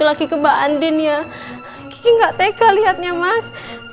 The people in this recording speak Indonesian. gak diangkat mas